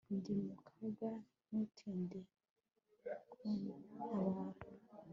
ndi mu kaga, ntutinde kuntabara